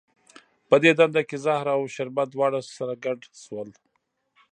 په دې ډنډه کې زهر او شربت دواړه سره ګډ شول.